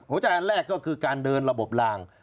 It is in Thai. จ่ายอันแรกก็คือการเดินระบบลาง